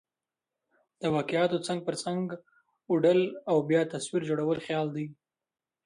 د واقعاتو څنګ پر څنګ اوډل او بیا تصویر جوړل خیال دئ.